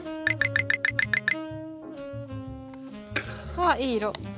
わっいい色。